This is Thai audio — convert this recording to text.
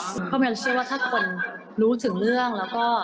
เพราะแมนเชื่อว่าถ้าคนรู้ถึงเรื่องแล้วก็